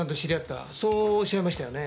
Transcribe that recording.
そうおっしゃいましたよね。